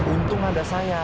untung ada saya